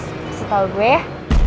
pasti tau gue ya